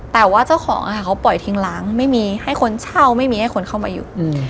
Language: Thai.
แต่ว่าเจ้าของเขาปล่อยทิ้งล้างไม่มีให้คนเช่าไม่มีให้คนเข้ามาอยู่